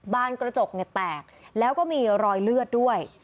กระจกแตกแล้วก็มีรอยเลือดด้วย